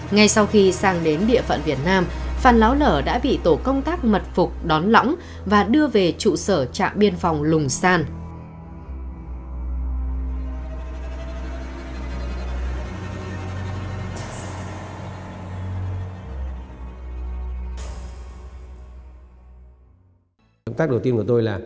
ngay sau khi sang đến địa phận việt nam phan láo nở đã bị tổ công tác mật phục đón lõng và đưa về trụ sở trạm biên phòng lùng san